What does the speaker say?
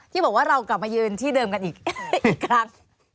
ที่บอกว่าเรากลับมายืนที่เดิมกันอีกครั้ง